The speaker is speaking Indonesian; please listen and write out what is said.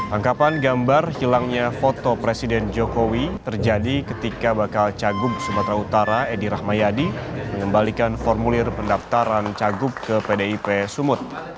angkapan gambar hilangnya foto presiden jokowi terjadi ketika bakal cagup sumatera utara edi rahmayadi mengembalikan formulir pendaftaran cagup ke pdip sumut